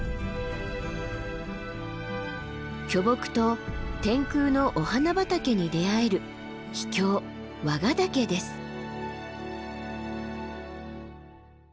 巨木と天空のお花畑に出会える秘境和賀岳です。